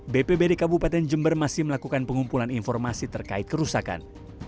bpbd kabupaten jember masih melakukan pengumpulan informasi terkait kerusakan